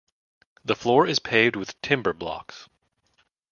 The floor is paved with timber blocks.